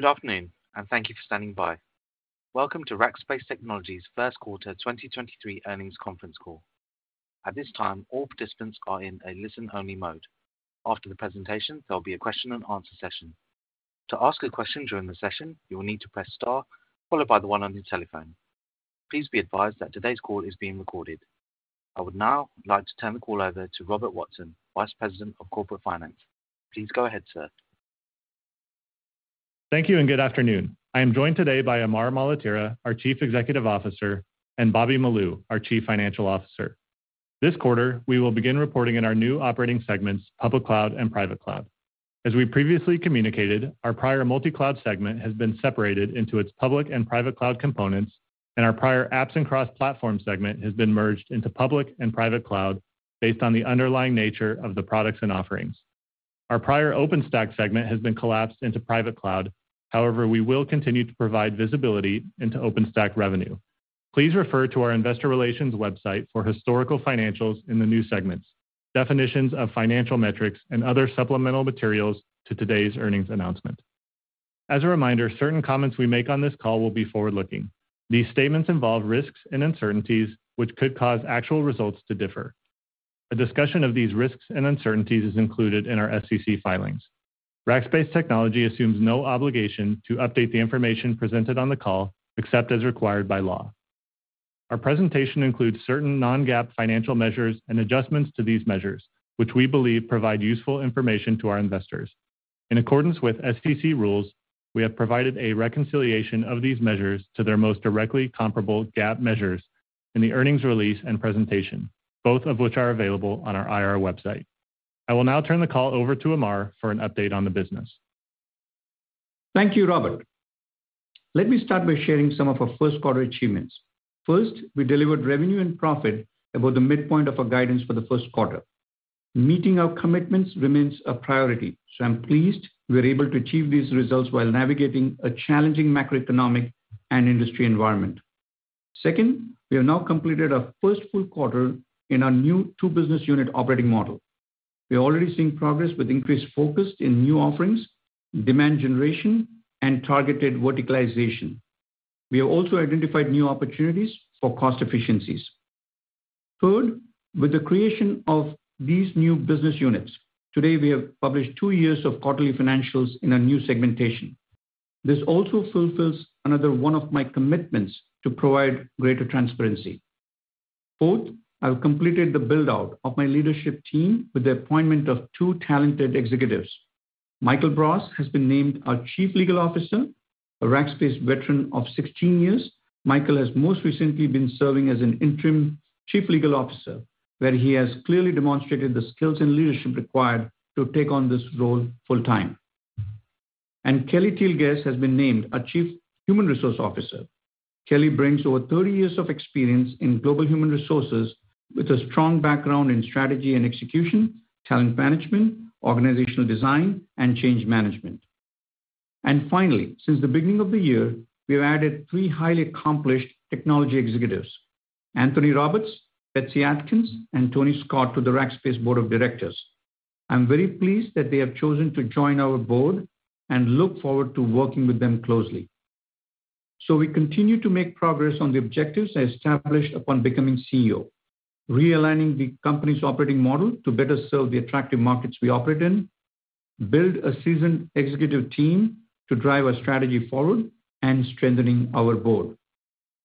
Good afternoon, and thank you for standing by. Welcome to Rackspace Technology's Q1 2023 earnings conference call. At this time, all participants are in a listen-only mode. After the presentation, there'll be a question and answer session. To ask a question during the session, you will need to press star followed by the one on your telephone. Please be advised that today's call is being recorded. I would now like to turn the call over to Robert Watson, Vice President of Corporate Finance. Please go ahead, sir. Thank you and good afternoon. I am joined today by Amar Maletira, our Chief Executive Officer, and Bobby Molu, our Chief Financial Officer. This quarter, we will begin reporting in our new operating segments, public cloud and private cloud. As we previously communicated, our prior Multicloud segment has been separated into its public and private cloud components, and our prior Apps & Cross Platform segment has been merged into public and private cloud based on the underlying nature of the products and offerings. Our prior OpenStack segment has been collapsed into private cloud. However, we will continue to provide visibility into OpenStack revenue. Please refer to our investor relations website for historical financials in the new segments, definitions of financial metrics and other supplemental materials to today's earnings announcement. As a reminder, certain comments we make on this call will be forward-looking. These statements involve risks and uncertainties which could cause actual results to differ. A discussion of these risks and uncertainties is included in our SEC filings. Rackspace Technology assumes no obligation to update the information presented on the call, except as required by law. Our presentation includes certain non-GAAP financial measures and adjustments to these measures, which we believe provide useful information to our investors. In accordance with SEC rules, we have provided a reconciliation of these measures to their most directly comparable GAAP measures in the earnings release and presentation, both of which are available on our IR website. I will now turn the call over to Amar for an update on the business. Thank you, Robert. Let me start by sharing some of our Q1 achievements. First, we delivered revenue and profit above the midpoint of our guidance for the Q1. Meeting our commitments remains a priority, so I'm pleased we are able to achieve these results while navigating a challenging macroeconomic and industry environment. Second, we have now completed our first full quarter in our new two business unit operating model. We are already seeing progress with increased focus in new offerings, demand generation and targeted verticalization. We have also identified new opportunities for cost efficiencies. Third, with the creation of these new business units, today we have published two years of quarterly financials in our new segmentation. This also fulfills another one of my commitments to provide greater transparency. Fourth, I've completed the build-out of my leadership team with the appointment of two talented executives. Michael Bross has been named our Chief Legal Officer, a Rackspace veteran of 16 years. Michael has most recently been serving as an interim chief legal officer, where he has clearly demonstrated the skills and leadership required to take on this role full-time. Kellie Teal-Guess has been named our Chief Human Resources Officer. Kellie brings over 30 years of experience in global human resources with a strong background in strategy and execution, talent management, organizational design, and change management. Finally, since the beginning of the year, we have added 3 highly accomplished technology executives, Anthony Roberts, Betsy Atkins, and Tony Scott, to the Rackspace Board of Directors. I'm very pleased that they have chosen to join our board and look forward to working with them closely. We continue to make progress on the objectives I established upon becoming CEO, realigning the company's operating model to better serve the attractive markets we operate in, build a seasoned executive team to drive our strategy forward and strengthening our board.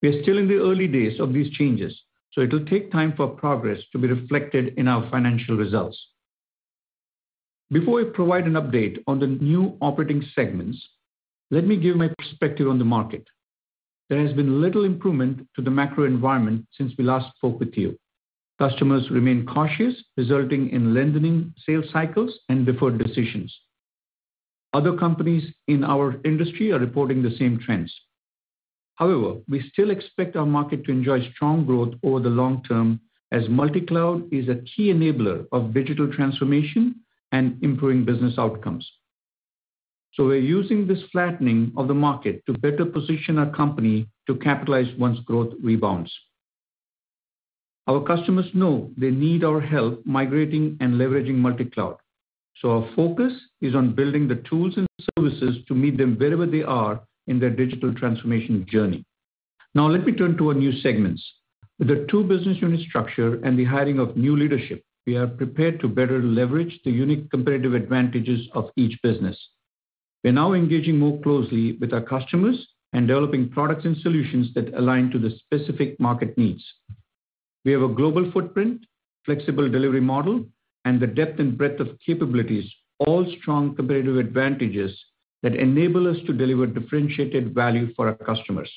We are still in the early days of these changes, so it will take time for progress to be reflected in our financial results. Before I provide an update on the new operating segments, let me give my perspective on the market. There has been little improvement to the macro environment since we last spoke with you. Customers remain cautious, resulting in lengthening sales cycles and deferred decisions. Other companies in our industry are reporting the same trends. We still expect our market to enjoy strong growth over the long term as Multicloud is a key enabler of digital transformation and improving business outcomes. We're using this flattening of the market to better position our company to capitalize once growth rebounds. Our customers know they need our help migrating and leveraging Multicloud. Our focus is on building the tools and services to meet them wherever they are in their digital transformation journey. Let me turn to our new segments. With the two business unit structure and the hiring of new leadership, we are prepared to better leverage the unique competitive advantages of each business. We're now engaging more closely with our customers and developing products and solutions that align to the specific market needs. We have a global footprint, flexible delivery model, and the depth and breadth of capabilities, all strong competitive advantages that enable us to deliver differentiated value for our customers.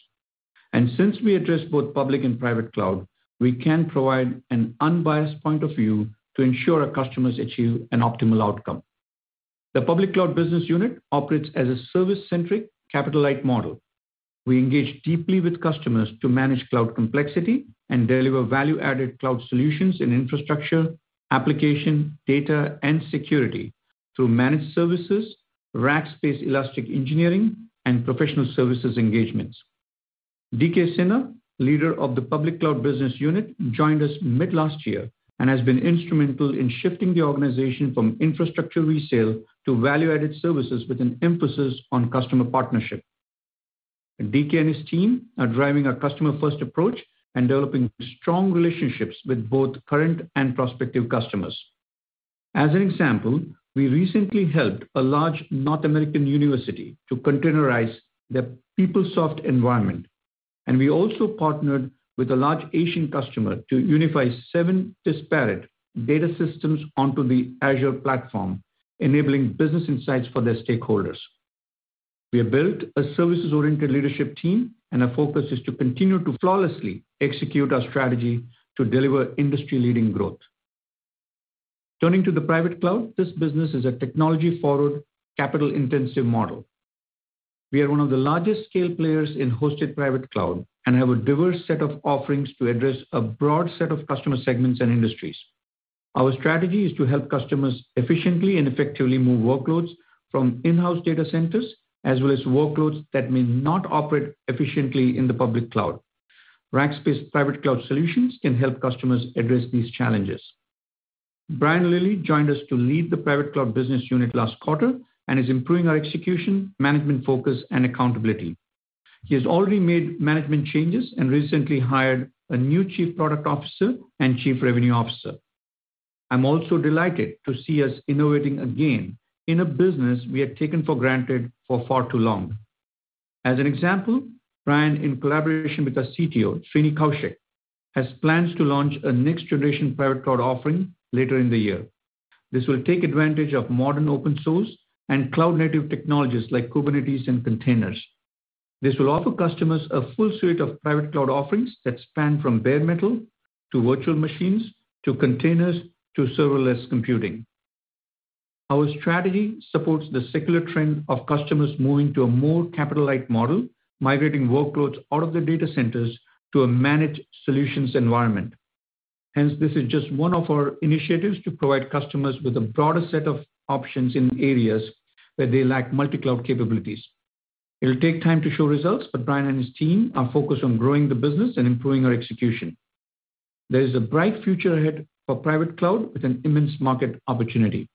Since we address both public and private cloud, we can provide an unbiased point of view to ensure our customers achieve an optimal outcome. The Public Cloud Business Unit operates as a service-centric capital-light model. We engage deeply with customers to manage cloud complexity and deliver value-added cloud solutions in infrastructure, application, data, and security through managed services, Rackspace Elastic Engineering, and professional services engagements. DK Sinha, leader of the Public Cloud Business Unit, joined us mid last year and has been instrumental in shifting the organization from infrastructure resale to value-added services with an emphasis on customer partnership. DK and his team are driving a customer-first approach and developing strong relationships with both current and prospective customers. As an example, we recently helped a large North American university to containerize their PeopleSoft environment, and we also partnered with a large Asian customer to unify seven disparate data systems onto the Azure platform, enabling business insights for their stakeholders. We have built a services-oriented leadership team, and our focus is to continue to flawlessly execute our strategy to deliver industry-leading growth. Turning to the Private Cloud, this business is a technology-forward, capital-intensive model. We are one of the largest scale players in hosted private cloud and have a diverse set of offerings to address a broad set of customer segments and industries. Our strategy is to help customers efficiently and effectively move workloads from in-house data centers, as well as workloads that may not operate efficiently in the public cloud. Rackspace private cloud solutions can help customers address these challenges. Brian Lillie joined us to lead the Private Cloud Business Unit last quarter and is improving our execution, management focus and accountability. He has already made management changes and recently hired a new chief product officer and chief revenue officer. I'm also delighted to see us innovating again in a business we had taken for granted for far too long. As an example, Brian, in collaboration with our CTO, Srini Koushik, has plans to launch a next-generation private cloud offering later in the year. This will take advantage of modern open source and cloud native technologies like Kubernetes and containers. This will offer customers a full suite of private cloud offerings that span from bare metal to virtual machines to containers to serverless computing. Our strategy supports the secular trend of customers moving to a more capital-light model, migrating workloads out of the data centers to a managed solutions environment. This is just one of our initiatives to provide customers with a broader set of options in areas where they lack Multicloud capabilities. It'll take time to show results, Brian and his team are focused on growing the business and improving our execution. There is a bright future ahead for private cloud with an immense market opportunity.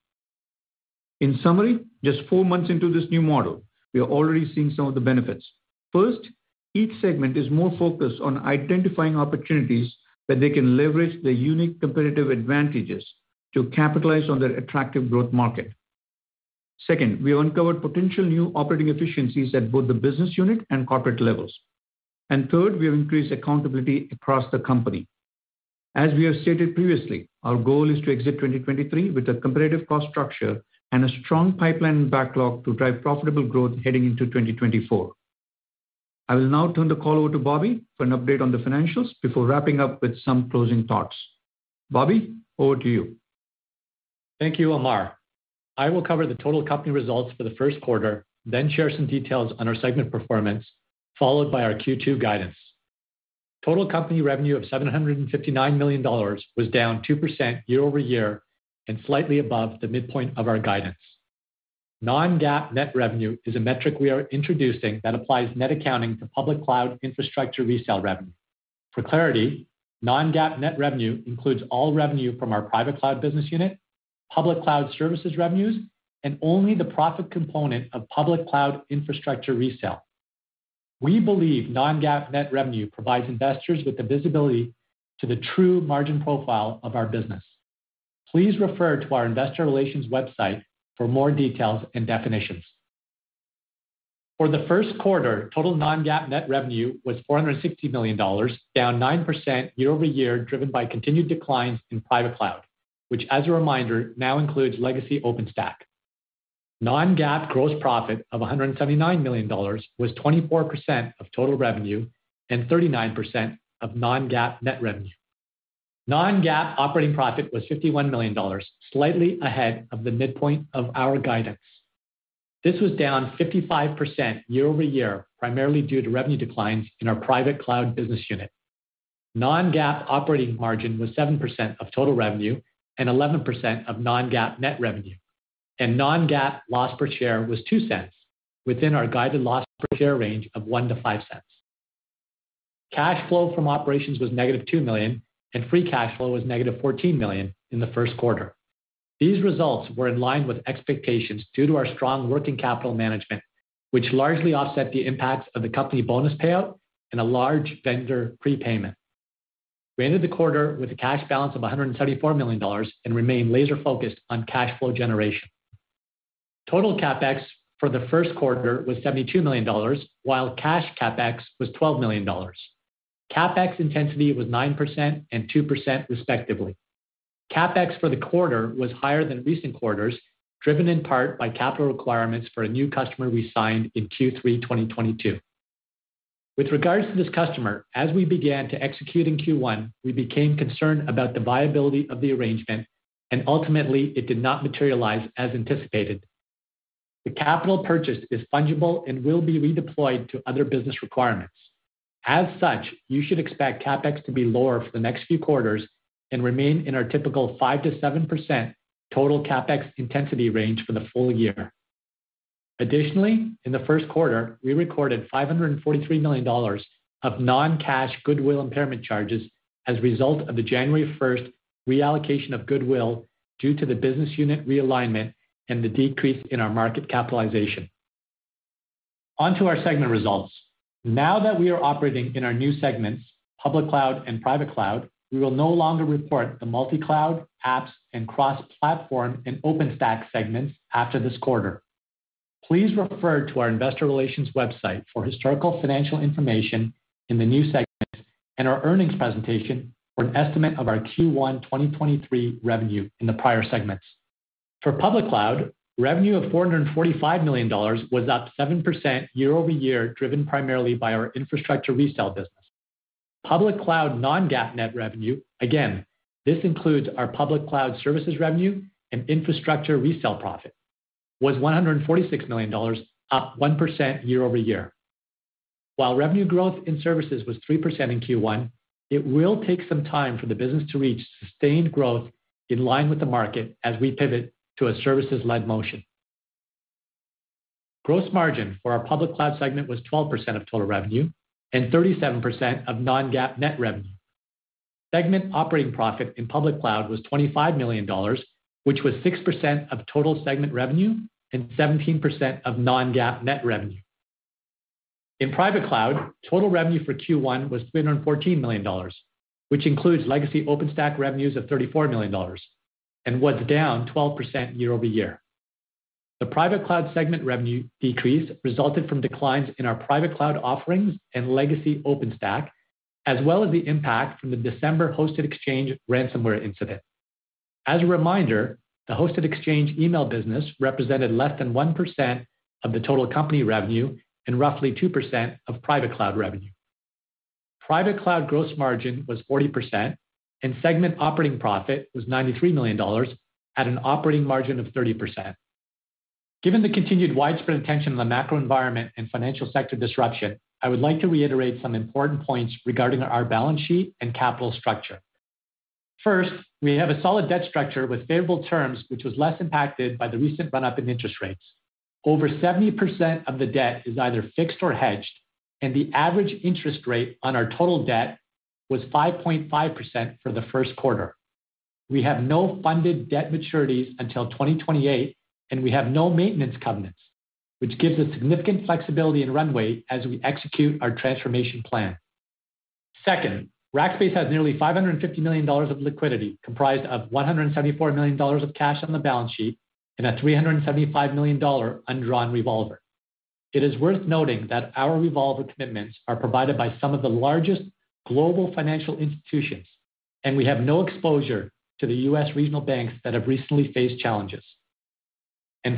In summary, just four months into this new model, we are already seeing some of the benefits. First, each segment is more focused on identifying opportunities that they can leverage their unique competitive advantages to capitalize on their attractive growth market. Second, we uncovered potential new operating efficiencies at both the business unit and corporate levels. Third, we have increased accountability across the company. As we have stated previously, our goal is to exit 2023 with a competitive cost structure and a strong pipeline backlog to drive profitable growth heading into 2024. I will now turn the call over to Bobby for an update on the financials before wrapping up with some closing thoughts. Bobby, over to you. Thank you, Amar. I will cover the total company results for the Q1, then share some details on our segment performance, followed by our Q2 guidance. Total company revenue of $759 million was down 2% year-over-year and slightly above the midpoint of our guidance. Non-GAAP net revenue is a metric we are introducing that applies net accounting to Public Cloud infrastructure resale revenue. For clarity, non-GAAP net revenue includes all revenue from our Private Cloud Business Unit, Public Cloud services revenues, and only the profit component of Public Cloud infrastructure resale. We believe non-GAAP net revenue provides investors with the visibility to the true margin profile of our business. Please refer to our investor relations website for more details and definitions. For the Q1, total non-GAAP net revenue was $460 million, down 9% year-over-year, driven by continued declines in Private Cloud, which, as a reminder, now includes legacy OpenStack. Non-GAAP Gross Profit of $179 million was 24% of total revenue and 39% of non-GAAP net revenue. Non-GAAP Operating Profit was $51 million, slightly ahead of the midpoint of our guidance. This was down 55% year-over-year, primarily due to revenue declines in our Private Cloud Business Unit. Non-GAAP operating margin was 7% of total revenue and 11% of non-GAAP net revenue. Non-GAAP Loss Per Share was $0.02 within our guided loss per share range of $0.01-$0.05. Cash flow from operations was -$2 million, and free cash flow was -$14 million in the Q1. These results were in line with expectations due to our strong working capital management, which largely offset the impacts of the company bonus payout and a large vendor prepayment. We ended the quarter with a cash balance of $174 million and remain laser-focused on cash flow generation. Total CapEx for the Q1 was $72 million, while cash CapEx was $12 million. CapEx intensity was 9% and 2% respectively. CapEx for the quarter was higher than recent quarters, driven in part by capital requirements for a new customer we signed in Q3 2022. With regards to this customer, as we began to execute in Q1, we became concerned about the viability of the arrangement and ultimately it did not materialize as anticipated. The capital purchase is fungible and will be redeployed to other business requirements. As such, you should expect CapEx to be lower for the next few quarters and remain in our typical 5%-7% total CapEx intensity range for the full year. In the Q1, we recorded $543 million of non-cash goodwill impairment charges as a result of the January 1st reallocation of goodwill due to the business unit realignment and the decrease in our market capitalization. On to our segment results. Now that we are operating in our new segments, public cloud and private cloud, we will no longer report the Multicloud, Apps & Cross Platform, and OpenStack segments after this quarter. Please refer to our investor relations website for historical financial information in the new segments and our earnings presentation for an estimate of our Q1 2023 revenue in the prior segments. For Public Cloud, revenue of $445 million was up 7% year-over-year, driven primarily by our infrastructure resale business. Public Cloud non-GAAP net revenue, again, this includes our Public Cloud services revenue and infrastructure resale profit, was $146 million, up 1% year-over-year. While revenue growth in services was 3% in Q1, it will take some time for the business to reach sustained growth in line with the market as we pivot to a services-led motion. Gross margin for our Public Cloud segment was 12% of total revenue and 37% of non-GAAP net revenue. Segment operating profit in Public Cloud was $25 million, which was 6% of total segment revenue and 17% of non-GAAP net revenue. In Private Cloud, total revenue for Q1 was $314 million, which includes legacy OpenStack revenues of $34 million and was down 12% year-over-year. The Private Cloud segment revenue decrease resulted from declines in our private cloud offerings and legacy OpenStack, as well as the impact from the December Hosted Exchange ransomware incident. As a reminder, the Hosted Exchange email business represented less than 1% of the total company revenue and roughly 2% of Private Cloud revenue. Private Cloud gross margin was 40%, and segment operating profit was $93 million at an operating margin of 30%. Given the continued widespread attention on the macro environment and financial sector disruption, I would like to reiterate some important points regarding our balance sheet and capital structure. First, we have a solid debt structure with favorable terms, which was less impacted by the recent run-up in interest rates. Over 70% of the debt is either fixed or hedged, and the average interest rate on our total debt was 5.5% for the Q1. We have no funded debt maturities until 2028, and we have no maintenance covenants, which gives us significant flexibility and runway as we execute our transformation plan. Second, Rackspace has nearly $550 million of liquidity, comprised of $174 million of cash on the balance sheet and a $375 million undrawn revolver. It is worth noting that our revolver commitments are provided by some of the largest global financial institutions, and we have no exposure to the U.S. regional banks that have recently faced challenges.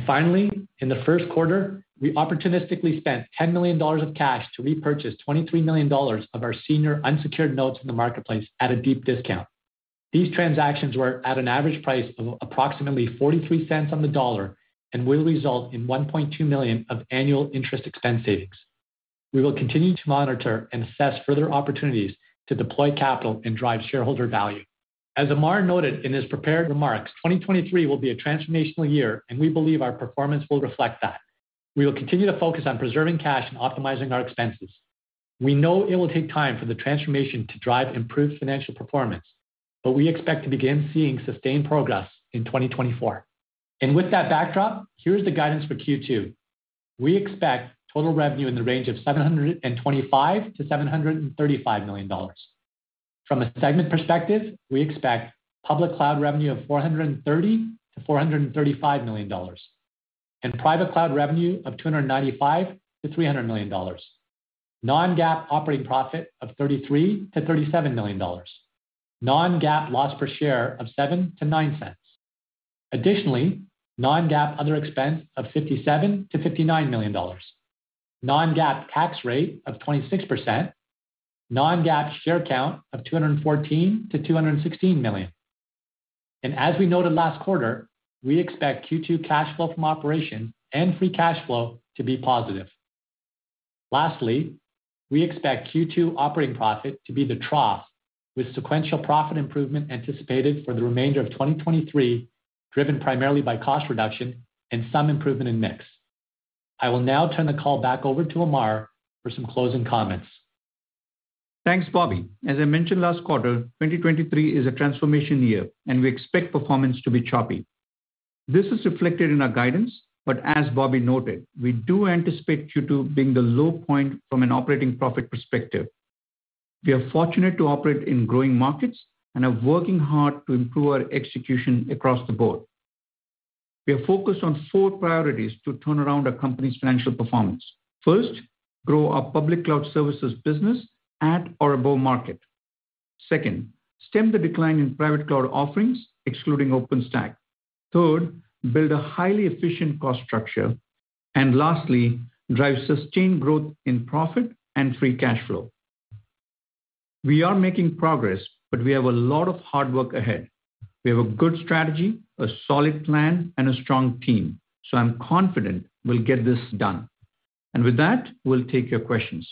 Finally, in the Q1, we opportunistically spent $10 million of cash to repurchase $23 million of our senior unsecured notes in the marketplace at a deep discount. These transactions were at an average price of approximately $0.43 on the dollar and will result in $1.2 million of annual interest expense savings. We will continue to monitor and assess further opportunities to deploy capital and drive shareholder value. As Amar noted in his prepared remarks, 2023 will be a transformational year, and we believe our performance will reflect that. We will continue to focus on preserving cash and optimizing our expenses. We know it will take time for the transformation to drive improved financial performance, but we expect to begin seeing sustained progress in 2024. With that backdrop, here's the guidance for Q2. We expect total revenue in the range of $725 million-$735 million. From a segment perspective, we expect public cloud revenue of $430 million-$435 million and private cloud revenue of $295 million-$300 million. Non-GAAP operating profit of $33 million-$37 million. Non-GAAP loss per share of $0.07-$0.09. Additionally, Non-GAAP Other Expense of $57 million-$59 million. Non-GAAP tax rate of 26%. Non-GAAP share count of 214 million-216 million. As we noted last quarter, we expect Q2 cash flow from operations and free cash flow to be positive. Lastly, we expect Q2 operating profit to be the trough with sequential profit improvement anticipated for the remainder of 2023, driven primarily by cost reduction and some improvement in mix. I will now turn the call back over to Amar for some closing comments. Thanks, Bobby. As I mentioned last quarter, 2023 is a transformation year, and we expect performance to be choppy. This is reflected in our guidance, but as Bobby noted, we do anticipate Q2 being the low point from an operating profit perspective. We are fortunate to operate in growing markets and are working hard to improve our execution across the board. We are focused on four priorities to turn around our company's financial performance. First, grow our public cloud services business at or above market. Second, stem the decline in private cloud offerings, excluding OpenStack. Third, build a highly efficient cost structure. Lastly, drive sustained growth in profit and free cash flow. We are making progress, but we have a lot of hard work ahead. We have a good strategy, a solid plan, and a strong team, so I'm confident we'll get this done. With that, we'll take your questions.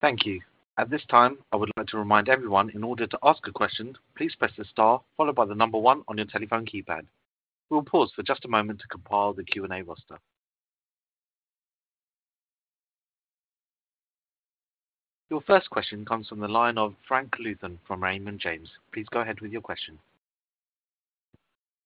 Thank you. At this time, I would like to remind everyone in order to ask a question, please press the star followed by the number one on your telephone keypad. We will pause for just a moment to compile the Q&A roster. Your first question comes from the line of Frank Louthan from Raymond James. Please go ahead with your question.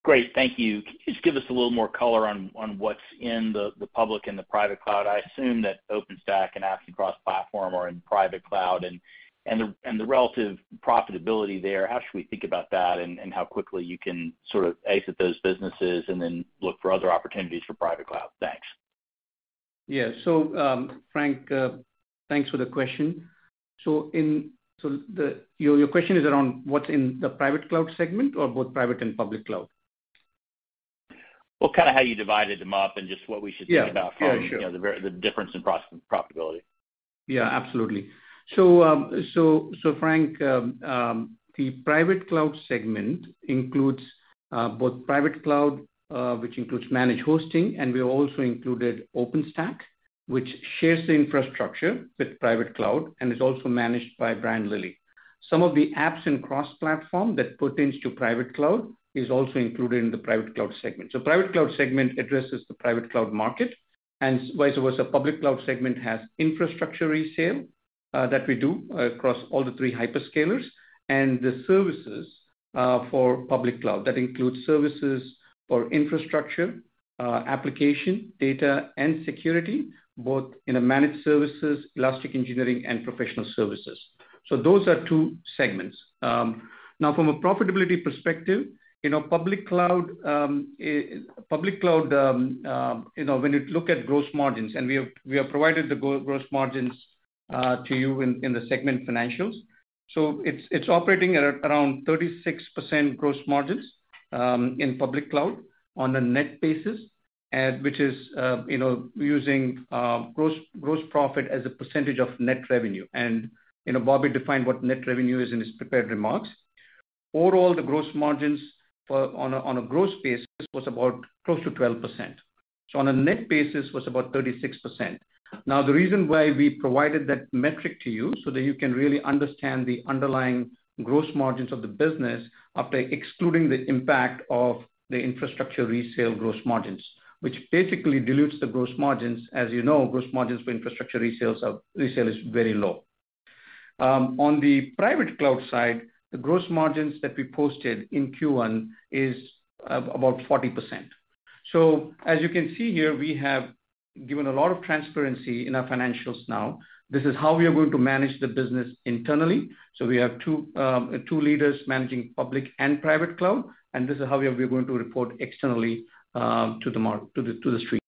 Great, thank you. Can you just give us a little more color on what's in the Public and Private Cloud? I assume that OpenStack and Apps & Cross Platform are in Private Cloud and the relative profitability there. How should we think about that and how quickly you can sort of exit those businesses and then look for other opportunities for Private Cloud? Thanks. Yeah. Frank, thanks for the question. Your, your question is around what's in the Private Cloud segment or both Private and Public Cloud? Well, kind of how you divided them up and just what we should think about. Yeah. Yeah, sure. from, you know, the difference in profitability. Absolutely. Frank, the private cloud segment includes both private cloud, which includes managed hosting, and we also included OpenStack, which shares the infrastructure with private cloud and is also managed by Brian Lillie. Some of the Apps & Cross Platform that pertains to private cloud is also included in the private cloud segment. Private cloud segment addresses the private cloud market. Vice versa, public cloud segment has infrastructure resale that we do across all the three hyperscalers and the services for public cloud. That includes services for infrastructure, application, data, and security, both in a managed services, Elastic Engineering, and professional services. Those are two segments. Now from a profitability perspective, you know, public cloud, you know, when you look at gross margins, and we have provided the gross margins to you in the segment financials. It's operating at around 36% gross margins in public cloud on a net basis, which is, you know, using gross profit as a percentage of net revenue. You know, Bobby defined what net revenue is in his prepared remarks. Overall, the gross margins on a gross basis was about close to 12%. On a net basis was about 36%. The reason why we provided that metric to you, so that you can really understand the underlying gross margins of the business after excluding the impact of the infrastructure resale gross margins, which basically dilutes the gross margins. As you know, gross margins for infrastructure resale is very low. On the Private Cloud side, the gross margins that we posted in Q1 is about 40%. As you can see here, we have given a lot of transparency in our financials now. This is how we are going to manage the business internally. We have two leaders managing Public Cloud and Private Cloud, and this is how we are going to report externally to the street.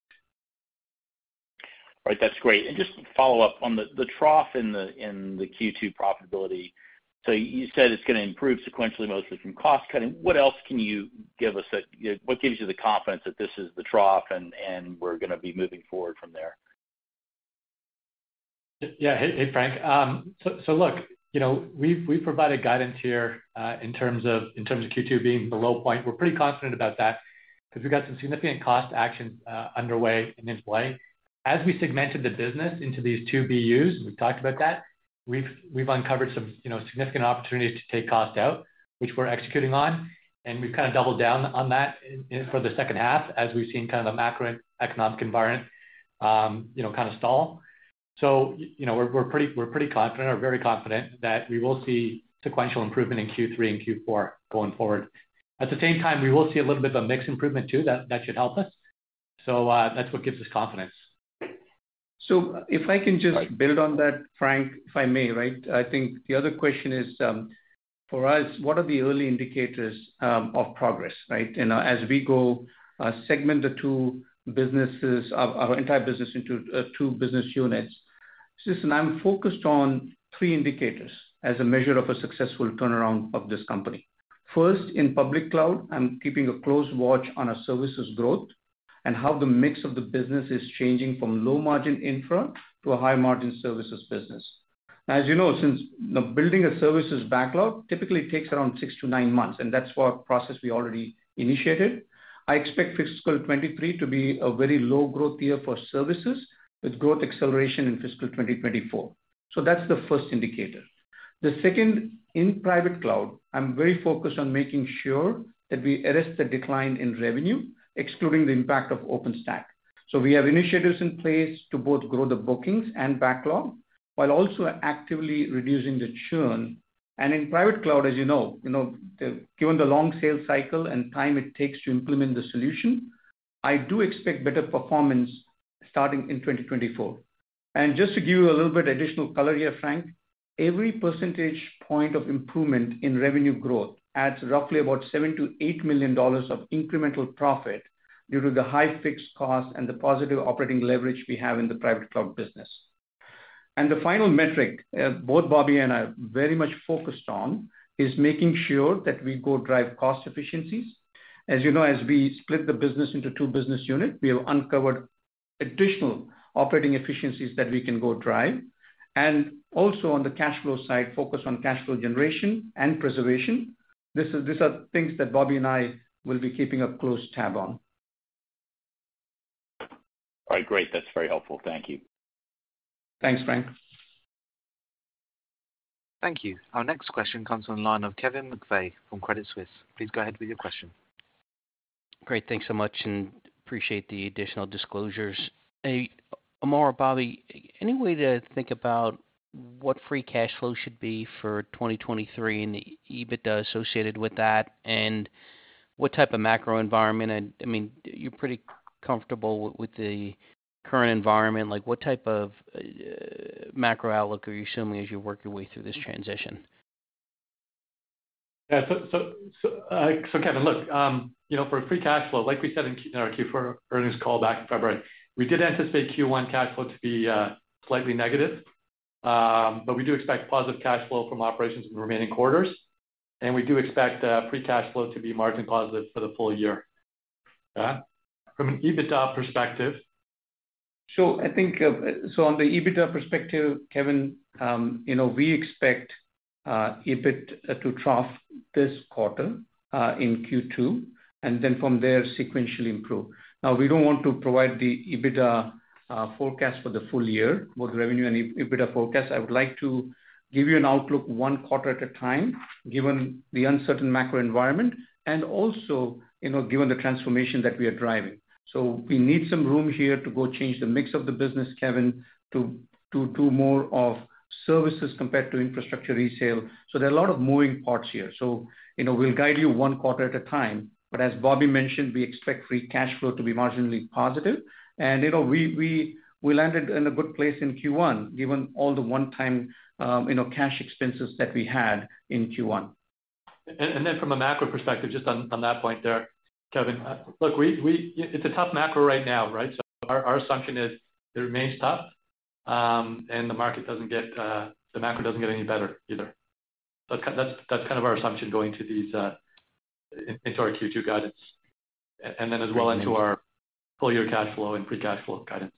All right. That's great. Just to follow up on the trough in the, in the Q2 profitability. You said it's gonna improve sequentially, mostly from cost-cutting. What else can you give us that, you know, what gives you the confidence that this is the trough and we're gonna be moving forward from there? Yeah. Hey, Frank. Look, you know, we've provided guidance here, in terms of Q2 being the low point. We're pretty confident about that 'cause we've got some significant cost actions, underway and in play. As we segmented the business into these two BUs, we've talked about that, we've uncovered some, you know, significant opportunities to take cost out, which we're executing on, and we've kinda doubled down on that for the second half as we've seen kind of a macroeconomic environment, you know, kind of stall. You know, we're pretty confident or very confident that we will see sequential improvement in Q3 and Q4 going forward. At the same time, we will see a little bit of a mix improvement too, that should help us. That's what gives us confidence. If I can just build on that, Frank, if I may? I think the other question is, for us, what are the early indicators of progress? As we go, segment the two businesses of our entire business into two business units. Since I'm focused on three indicators as a measure of a successful turnaround of this company. First, in Public Cloud, I'm keeping a close watch on our services growth and how the mix of the business is changing from low-margin infra to a high-margin services business. As you know, since building a services backlog typically takes around six to nine months, and that's what process we already initiated. I expect fiscal 2023 to be a very low growth year for services with growth acceleration in fiscal 2024. That's the first indicator. The second, in private cloud, I'm very focused on making sure that we arrest the decline in revenue, excluding the impact of OpenStack. We have initiatives in place to both grow the bookings and backlog, while also actively reducing the churn. In private cloud, as you know, given the long sales cycle and time it takes to implement the solution, I do expect better performance starting in 2024. Just to give you a little bit additional color here, Frank, every percentage point of improvement in revenue growth adds roughly about $7 million-$8 million of incremental profit due to the high fixed cost and the positive operating leverage we have in the private cloud business. The final metric, both Bobby and I are very much focused on, is making sure that we go drive cost efficiencies. As you know, as we split the business into two business units, we have uncovered additional operating efficiencies that we can go drive. Also on the cash flow side, focus on cash flow generation and preservation. These are things that Bobby and I will be keeping a close tab on. All right, great. That's very helpful. Thank you. Thanks, Frank. Thank you. Our next question comes from line of Kevin McVeigh from Credit Suisse. Please go ahead with your question. Great. Thanks so much. Appreciate the additional disclosures. Hey, Amar or Bobby, any way to think about what free cash flow should be for 2023 and the EBITDA associated with that? What type of macro environment? I mean, you're pretty comfortable with the current environment. Like, what type of macro outlook are you assuming as you work your way through this transition? Yeah. Kevin, look, you know, for free cash flow, like we said in our Q4 earnings call back in February, we did anticipate Q1 cash flow to be slightly negative. We do expect positive cash flow from operations in the remaining quarters, and we do expect free cash flow to be margin positive for the full year. From an EBITDA perspective... I think, on the EBITDA perspective, Kevin, you know, we expect EBIT to trough this quarter, in Q2, and then from there sequentially improve. We don't want to provide the EBITDA forecast for the full year, both revenue and EBITDA forecast. I would like to give you an outlook one quarter at a time, given the uncertain macro environment and also, you know, given the transformation that we are driving. We need some room here to go change the mix of the business, Kevin, to more of services compared to infrastructure resale. There are a lot of moving parts here. You know, we'll guide you one quarter at a time. As Bobby mentioned, we expect free cash flow to be marginally positive. You know, we landed in a good place in Q1, given all the one-time, you know, cash expenses that we had in Q1. From a macro perspective, just on that point there, Kevin. Look, we it's a tough macro right now, right? Our assumption is it remains tough, and the market doesn't get, the macro doesn't get any better either. That's kind of our assumption going to these, into our Q2 guidance and then as well into our full year cash flow and free cash flow guidance.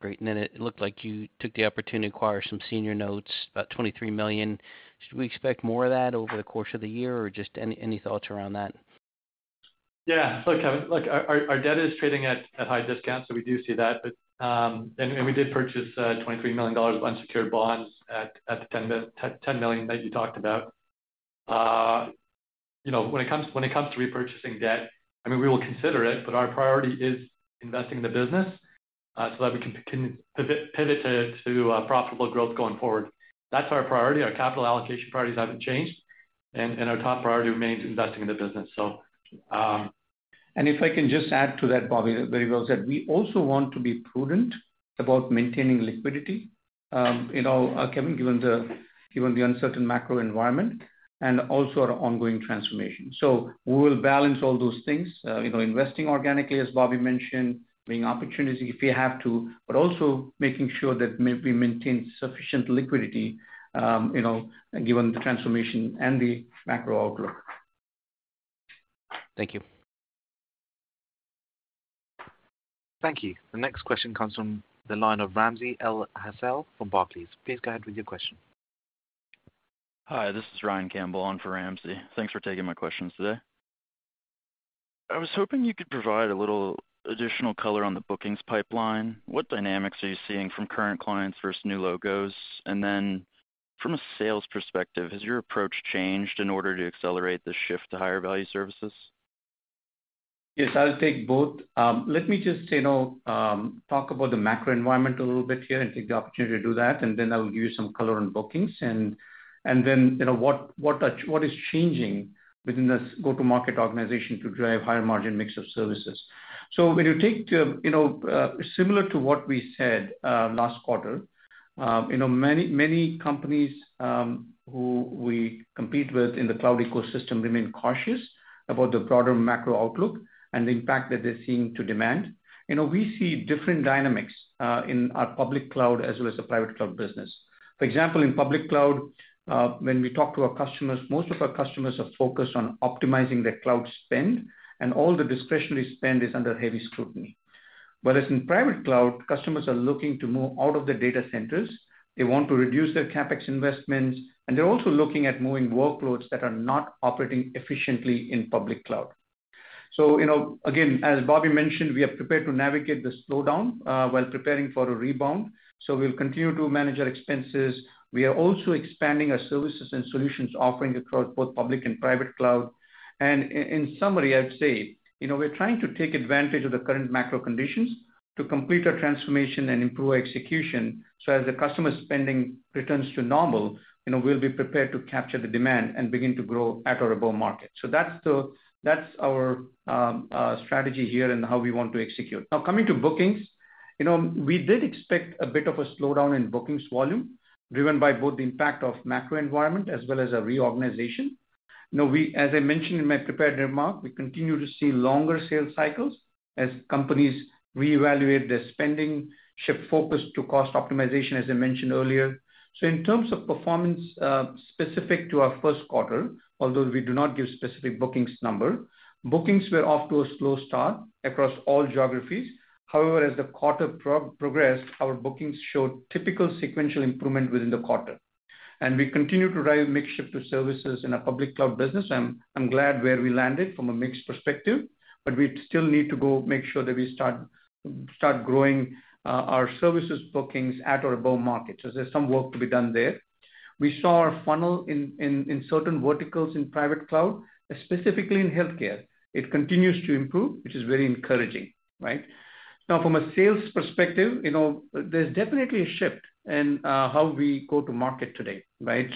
Great. It looked like you took the opportunity to acquire some senior notes, about $23 million. Should we expect more of that over the course of the year or just any thoughts around that? Look, Kevin, look, our debt is trading at high discounts, so we do see that. We did purchase $23 million of unsecured bonds at the $10 million that you talked about. You know, when it comes to repurchasing debt, I mean, we will consider it, but our priority is investing in the business, so that we can pivot to profitable growth going forward. That's our priority. Our capital allocation priorities haven't changed, our top priority remains investing in the business, so. If I can just add to that, Bobby, very well said. We also want to be prudent about maintaining liquidity, you know, Kevin, given the uncertain macro environment and also our ongoing transformation. We will balance all those things, you know, investing organically, as Bobby mentioned, bringing opportunity if we have to, but also making sure that we maintain sufficient liquidity, you know, given the transformation and the macro outlook. Thank you. Thank you. The next question comes from the line of Ramsey El-Assal from Barclays. Please go ahead with your question. Hi, this is Ryan Campbell on for Ramsey. Thanks for taking my questions today. I was hoping you could provide a little additional color on the bookings pipeline. What dynamics are you seeing from current clients versus new logos? From a sales perspective, has your approach changed in order to accelerate the shift to higher value services? Yes, I'll take both. Let me just, you know, talk about the macro environment a little bit here and take the opportunity to do that, and then I will give you some color on bookings and then, you know, what is changing within this go-to-market organization to drive higher margin mix of services. When you take, you know, similar to what we said, last quarter, you know, many companies, who we compete with in the cloud ecosystem remain cautious about the broader macro outlook and the impact that they're seeing to demand. You know, we see different dynamics, in our public cloud as well as the private cloud business. In public cloud, when we talk to our customers, most of our customers are focused on optimizing their cloud spend, and all the discretionary spend is under heavy scrutiny. In private cloud, customers are looking to move out of the data centers. They want to reduce their CapEx investments, and they're also looking at moving workloads that are not operating efficiently in public cloud. You know, again, as Bobby mentioned, we are prepared to navigate the slowdown while preparing for a rebound. We'll continue to manage our expenses. We are also expanding our services and solutions offering across both public and private cloud. In summary, I'd say, you know, we're trying to take advantage of the current macro conditions to complete our transformation and improve our execution, so as the customer spending returns to normal, you know, we'll be prepared to capture the demand and begin to grow at or above market. That's our strategy here and how we want to execute. Coming to bookings, you know, we did expect a bit of a slowdown in bookings volume, driven by both the impact of macro environment as well as a reorganization. You know, As I mentioned in my prepared remark, we continue to see longer sales cycles as companies reevaluate their spending, shift focus to cost optimization, as I mentioned earlier. In terms of performance, specific to our Q1, although we do not give specific bookings number, bookings were off to a slow start across all geographies. However, as the quarter progressed, our bookings showed typical sequential improvement within the quarter. We continue to drive mix shift to services in our public cloud business. I'm glad where we landed from a mix perspective, but we still need to go make sure that we start growing our services bookings at or above market. There's some work to be done there. We saw our funnel in certain verticals in private cloud, specifically in healthcare. It continues to improve, which is very encouraging, right. From a sales perspective, you know, there's definitely a shift in how we go to market today, right.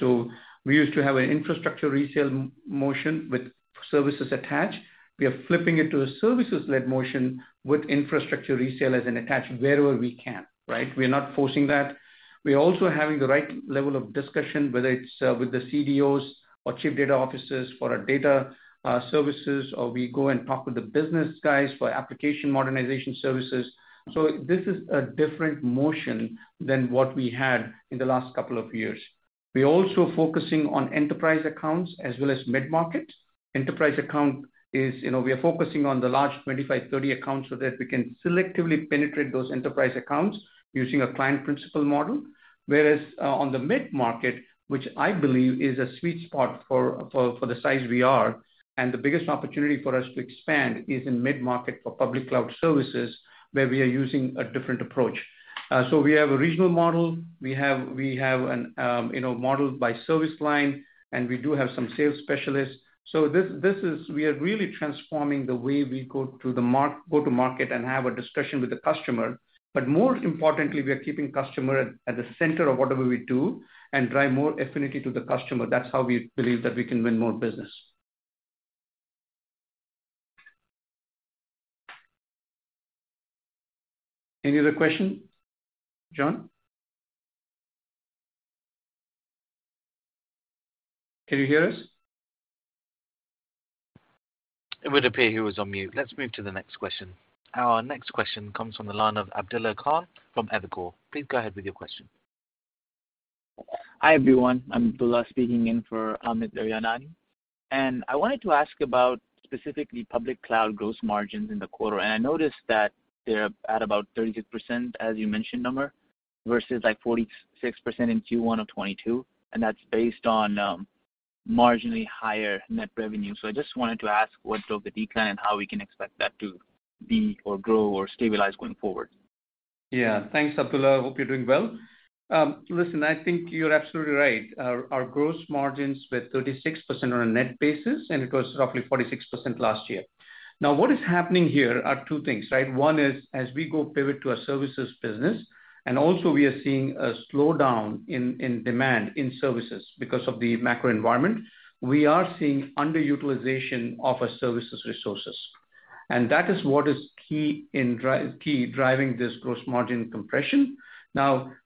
We used to have an infrastructure resale motion with services attached. We are flipping it to a services-led motion with infrastructure resale as an attachment wherever we can, right? We are not forcing that. We're also having the right level of discussion, whether it's with the CDOs or chief data officers for our data services, or we go and talk with the business guys for application modernization services. This is a different motion than what we had in the last couple of years. We're also focusing on enterprise accounts as well as mid-market. Enterprise account is, you know, we are focusing on the large 25, 30 accounts so that we can selectively penetrate those enterprise accounts using a client principal model. On the mid-market, which I believe is a sweet spot for the size we are, and the biggest opportunity for us to expand is in mid-market for public cloud services, where we are using a different approach. We have a regional model. We have a, you know, model by service line, and we do have some sales specialists. We are really transforming the way we go to market and have a discussion with the customer. More importantly, we are keeping customer at the center of whatever we do and drive more affinity to the customer. That's how we believe that we can win more business. Any other question? John? Can you hear us? It would appear he was on mute. Let's move to the next question. Our next question comes from the line of Abdullah Khan from Evercore. Please go ahead with your question. Hi, everyone. I'm Abdullah speaking in for Amit Daryanani. I wanted to ask about specifically public cloud gross margins in the quarter. I noticed that they're at about 36%, as you mentioned, Amar, versus like 46% in Q1 of 2022, and that's based on marginally higher net revenue. I just wanted to ask what drove the decline and how we can expect that to be or grow or stabilize going forward. Thanks, Abdullah. Hope you're doing well. Listen, I think you're absolutely right. Our gross margins were 36% on a net basis, and it was roughly 46% last year. What is happening here are two things, right? One is as we go pivot to our services business, and also we are seeing a slowdown in demand in services because of the macro environment, we are seeing underutilization of our services resources. That is what is key in key driving this gross margin compression.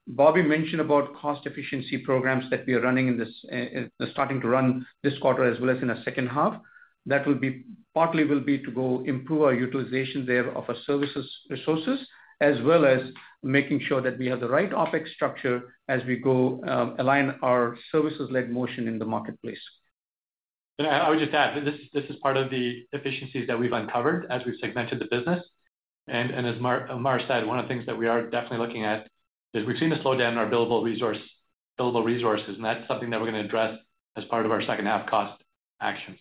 Bobby mentioned about cost efficiency programs that we are running in this starting to run this quarter as well as in the second half. That will be, partly will be to go improve our utilization there of our services resources, as well as making sure that we have the right OpEx structure as we go, align our services-led motion in the marketplace. I would just add, this is part of the efficiencies that we've uncovered as we've segmented the business, as Amar said, one of the things that we are definitely looking at is we've seen a slowdown in our billable resources, and that's something that we're gonna address as part of our second half cost actions.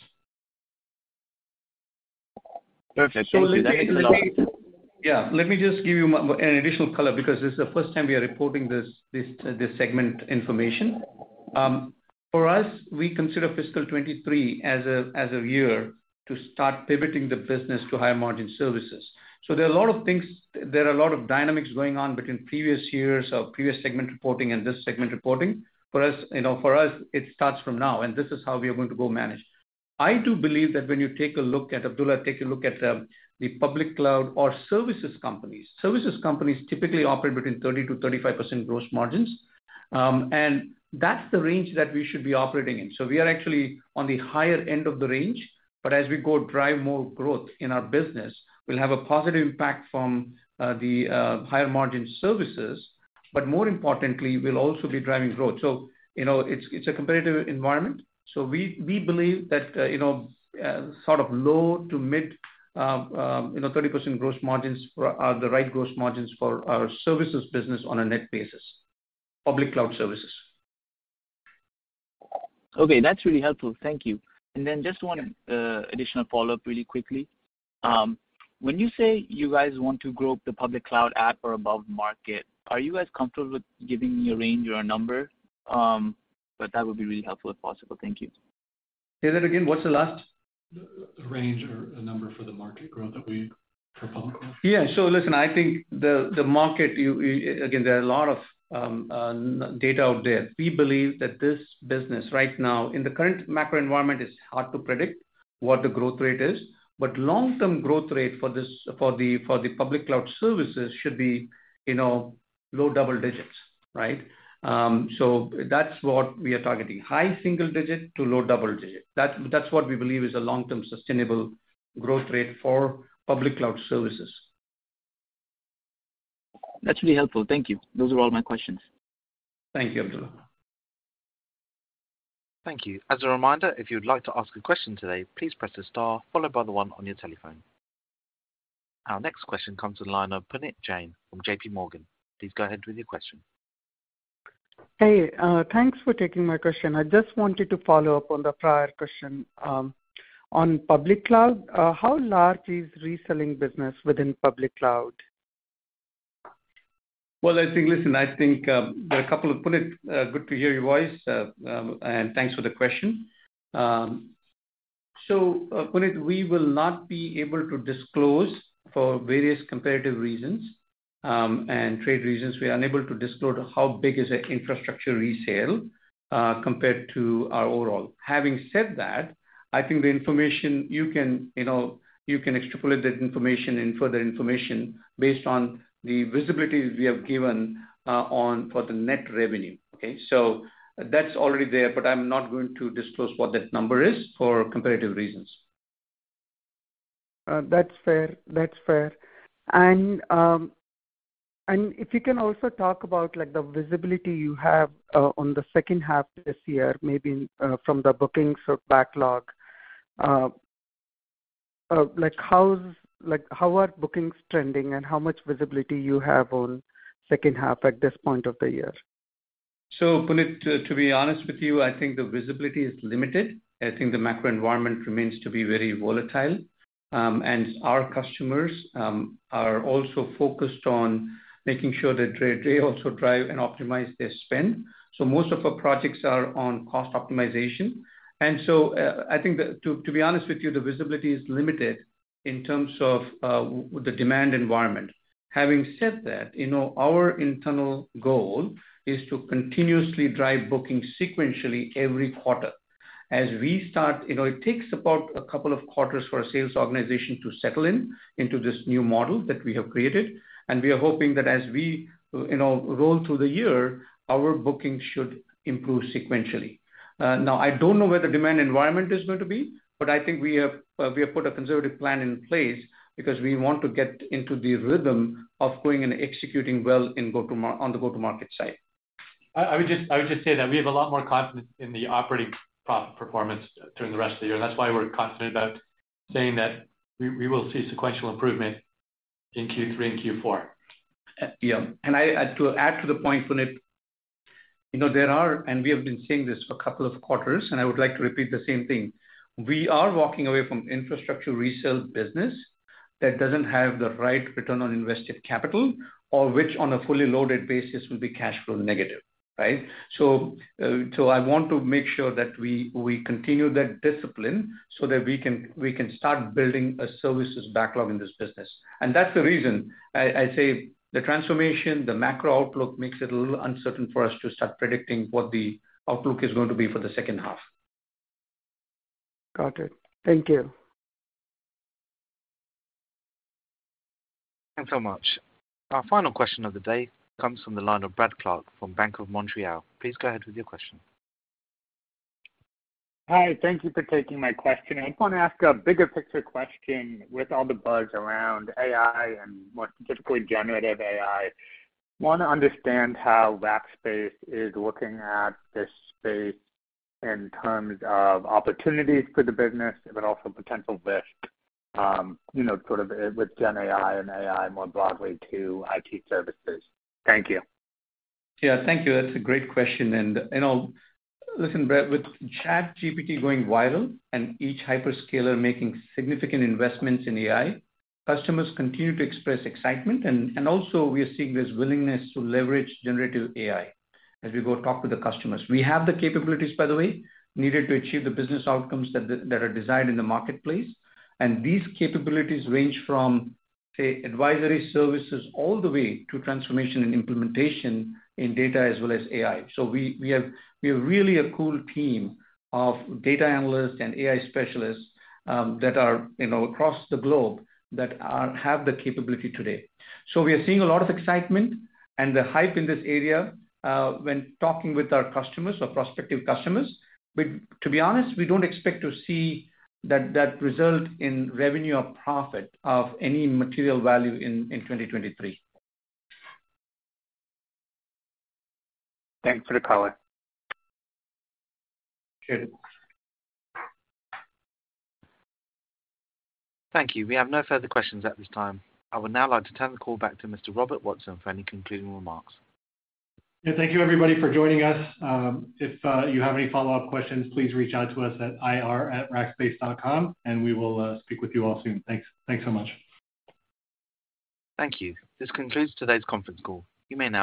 Perfect. Thank you. That's helpful. Yeah. Let me just give you an additional color because this is the first time we are reporting this segment information. For us, we consider fiscal 2023 as a year to start pivoting the business to higher margin services. There are a lot of things, there are a lot of dynamics going on between previous years or previous segment reporting and this segment reporting. For us, you know, for us, it starts from now, and this is how we are going to go manage. I do believe that when you take a look at, Abdullah, take a look at, the Public Cloud or services companies. Services companies typically operate between 30%-35% gross margins. And that's the range that we should be operating in. We are actually on the higher end of the range. As we go drive more growth in our business, we'll have a positive impact from the higher margin services. More importantly, we'll also be driving growth. You know, it's a competitive environment. We believe that, you know, sort of low to mid, you know, 30% gross margins are the right gross margins for our services business on a net basis, public cloud services. Okay, that's really helpful. Thank you. Just one additional follow-up really quickly. When you say you guys want to grow up the public cloud at or above market, are you guys comfortable with giving me a range or a number? That would be really helpful if possible. Thank you. Say that again. What's the last-? The range or a number for the market growth that we... for public cloud. Yeah. Listen, I think the market again, there are a lot of data out there. We believe that this business right now, in the current macro environment, it's hard to predict what the growth rate is. Long-term growth rate for this, for the public cloud services should be, you know, low double digits, right? That's what we are targeting, high single digit to low double digit. That's what we believe is a long-term sustainable growth rate for public cloud services. That's really helpful. Thank you. Those are all my questions. Thank you, Abdullah. Thank you. As a reminder, if you would like to ask a question today, please press the star followed by the one on your telephone. Our next question comes to the line of Puneet Jain from JP Morgan. Please go ahead with your question. Hey, thanks for taking my question. I just wanted to follow up on the prior question on Public Cloud. How large is reselling business within Public Cloud? Well, I think. Listen, I think, Puneet, good to hear your voice. Thanks for the question. Punit, we will not be able to disclose for various competitive reasons and trade reasons. We are unable to disclose how big is the infrastructure resale compared to our overall. Having said that, I think the information you can, you know, you can extrapolate that information and further information based on the visibilities we have given for the net revenue. Okay? That's already there, but I'm not going to disclose what that number is for competitive reasons. That's fair, that's fair. If you can also talk about, like, the visibility you have, on the second half this year, maybe, from the bookings or backlog. Like, how are bookings trending and how much visibility you have on second half at this point of the year? Puneet, to be honest with you, I think the visibility is limited. I think the macro environment remains to be very volatile. And our customers are also focused on making sure that they also drive and optimize their spend. Most of our projects are on cost optimization. I think to be honest with you, the visibility is limited in terms of the demand environment. Having said that, you know, our internal goal is to continuously drive bookings sequentially every quarter. You know, it takes about a couple of quarters for a sales organization to settle in, into this new model that we have created, and we are hoping that as we, you know, roll through the year, our bookings should improve sequentially. I don't know where the demand environment is going to be, but I think we have, we have put a conservative plan in place because we want to get into the rhythm of going and executing well on the go-to-market side. I would just say that we have a lot more confidence in the operating performance during the rest of the year. That's why we're confident about saying that we will see sequential improvement in Q3 and Q4. Yeah. I, to add to the point, Puneet, you know, there are, and we have been saying this for two quarters, and I would like to repeat the same thing. We are walking away from infrastructure resale business that doesn't have the right return on invested capital or which, on a fully loaded basis, will be cash flow negative, right? I want to make sure that we continue that discipline so that we can start building a services backlog in this business. That's the reason I say the transformation, the macro outlook makes it a little uncertain for us to start predicting what the outlook is going to be for the second half. Got it. Thank you. Thanks so much. Our final question of the day comes from the line of Brad Clark from BMO Capital Markets. Please go ahead with your question. Hi. Thank you for taking my question. I just wanna ask a bigger picture question with all the buzz around AI and more specifically generative AI. Wanna understand how Rackspace is looking at this space in terms of opportunities for the business, but also potential risk, you know, sort of with gen AI and AI more broadly to IT services. Thank you. Yeah, thank you. That's a great question. You know, listen, Brad, with ChatGPT going viral and each hyperscaler making significant investments in AI, customers continue to express excitement. Also we are seeing this willingness to leverage generative AI as we go talk to the customers. We have the capabilities, by the way, needed to achieve the business outcomes that are desired in the marketplace. These capabilities range from, say, advisory services all the way to transformation and implementation in data as well as AI. We have really a cool team of data analysts and AI specialists that are, you know, across the globe that have the capability today. We are seeing a lot of excitement and the hype in this area when talking with our customers or prospective customers. To be honest, we don't expect to see that result in revenue or profit of any material value in 2023. Thanks for the color. Cheers. Thank you. We have no further questions at this time. I would now like to turn the call back to Mr. Robert Watson for any concluding remarks. Yeah. Thank you everybody for joining us. If you have any follow-up questions, please reach out to us at ir@rackspace.com, and we will speak with you all soon. Thanks. Thanks so much. Thank you. This concludes today's conference call. You may now disconnect.